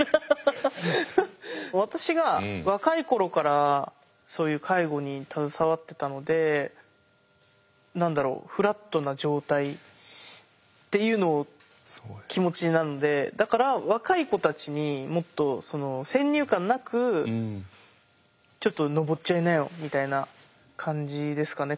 私が若い頃からそういう介護に携わってたので何だろうフラットな状態っていうのを気持ちなのでだから若い子たちにもっと先入観なくちょっと登っちゃいなよみたいな感じですかね